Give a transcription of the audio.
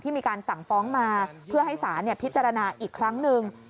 มีการสั่งฟ้องมาเพื่อให้สารพิจารณาอีกครั้งหนึ่ง